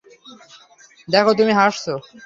দেখো, তুমি হাসছো।